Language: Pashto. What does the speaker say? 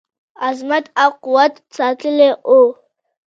عظمت او قوت ساتلی وو.